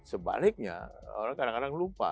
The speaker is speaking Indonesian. sebaliknya orang kadang kadang lupa